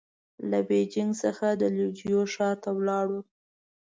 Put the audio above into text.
له بېجينګ څخه د ليوجو ښار ته ولاړو.